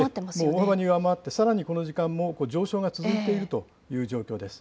大幅に上回って、この時間も上昇が続いているという状況です。